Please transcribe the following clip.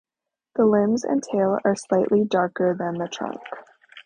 The limbs and tail are slightly darker than the trunk.